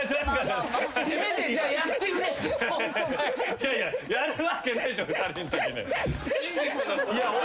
いやいややるわけないでしょ２人のときに。